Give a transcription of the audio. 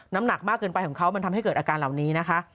น้ำหนักมากเกินไปของเขามันทำให้เกิดอาการเหล่านี้นะคะ